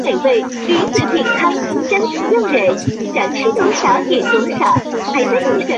杰克逊镇区为美国堪萨斯州吉里县辖下的镇区。